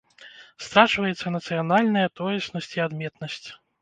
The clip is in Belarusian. Страчваецца нацыянальная тоеснасць і адметнасць.